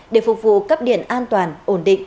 để phục vụ cấp điện an toàn ổn định